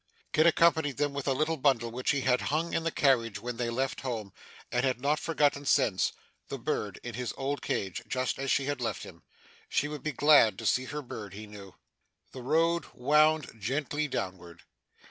Kit accompanied them with a little bundle, which he had hung in the carriage when they left home, and had not forgotten since the bird in his old cage just as she had left him. She would be glad to see her bird, he knew. The road wound gently downward.